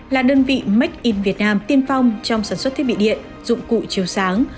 là đơn vị make in việt nam tiên phong trong sản xuất thiết bị điện dụng cụ chiều sáng